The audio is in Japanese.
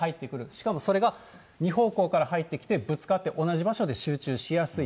しかもそれが２方向から入ってきて、ぶつかって同じ場所で集中しやすい。